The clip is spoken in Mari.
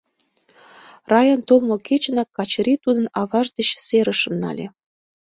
Раян толмо кечынак, Качырий тудын аваж деч серышым нале.